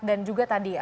dan juga tadi